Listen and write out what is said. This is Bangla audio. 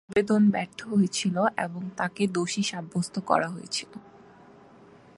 এই আবেদন ব্যর্থ হয়েছিল, এবং তাঁকে দোষী সাব্যস্ত করা হয়েছিল।